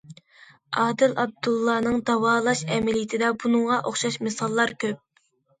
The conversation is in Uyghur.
ئادىل ئابدۇللانىڭ داۋالاش ئەمەلىيىتىدە بۇنىڭغا ئوخشاش مىساللار كۆپ.